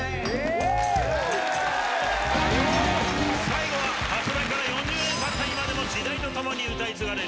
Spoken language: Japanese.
最後は発売から４０年たった今でも時代とともに歌い継がれる。